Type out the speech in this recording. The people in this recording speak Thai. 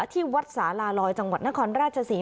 ที่วัดสาลาลอยจังหวัดนครราชศรี